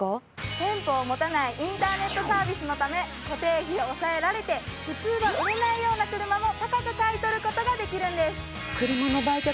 店舗を持たないインターネットサービスのため固定費を抑えられて普通は売れないような車も高く買い取る事ができるんです！